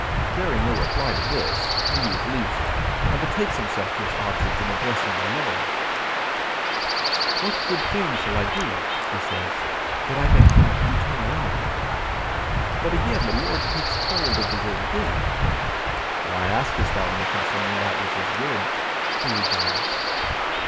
Daring no reply to this, the youth leaves it, and betakes himself to his object in addressing the Lord. 'What good thing shall I do,' he says, 'that I may have eternal life?' But again the Lord takes hold of the word good: 'Why askest thou me concerning that which is good?' he rejoins.